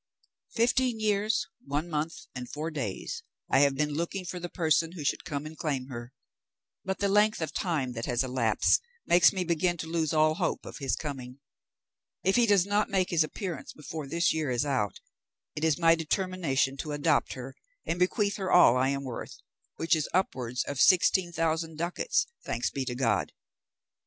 Fifteen years, one month, and four days I have been looking for the person who should come and claim her, but the length of time that has elapsed makes me begin to lose all hope of his coming. If he does not make his appearance before this year is out, it is my determination to adopt her and bequeath her all I am worth, which is upwards of sixteen thousand ducats, thanks be to God.